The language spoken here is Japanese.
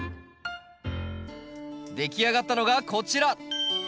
出来上がったのがこちら。